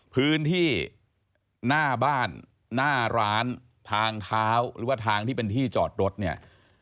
พื้นที่หน้าบ้านหน้าร้านทางเท้าหรือว่าทางที่เป็นที่จอดรถเนี่ย